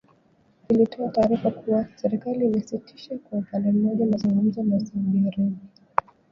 ilitoa taarifa kuwa serikali imesitisha kwa upande mmoja mazungumzo na Saudi Arabia